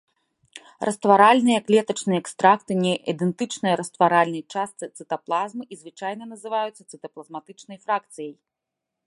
Растваральныя клетачныя экстракты не ідэнтычныя растваральнай частцы цытаплазмы і звычайна называюцца цытаплазматычнай фракцыяй.